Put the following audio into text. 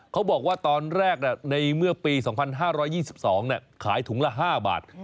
เขาบอกว่าตอนแรกในเมื่อปี๒๕๒๒ขายถุงละ๕บาท